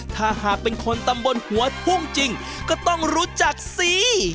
ถ้าหากเป็นคนตำบลหัวทุ่งจริงก็ต้องรู้จักสิ